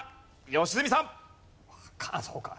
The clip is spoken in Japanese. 良純さん。